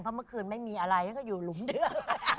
เพราะเมื่อคืนไม่มีอะไรก็อยู่หลุมเดือด